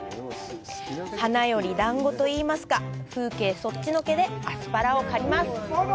花より団子といいますか風景そっちのけでアスパラを刈ります。